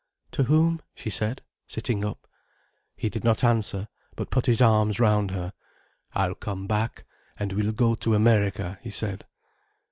"To whom?" she said, sitting up. He did not answer, but put his arms round her. "I'll come back, and we'll go to America," he said.